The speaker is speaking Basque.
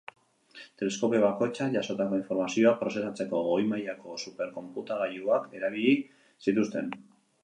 Teleskopio bakoitzak jasotako informazioa prozesatzeko goi-mailako super-konputagailuak erabili zituzten.